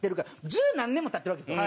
十何年も経ってるわけですよ。